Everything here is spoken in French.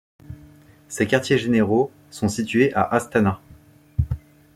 Ses quartiers-généraux sont situés à Astana.